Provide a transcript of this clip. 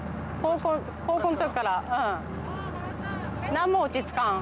なんも落ち着かん。